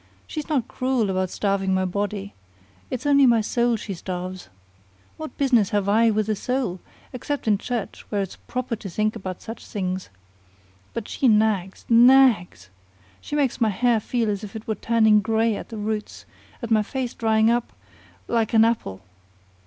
She's not cruel about starving my body. It's only my soul she starves. What business have I with a soul, except in church, where it's proper to think about such things? But she nags nags! She makes my hair feel as if it were turning gray at the roots, and my face drying up like an apple.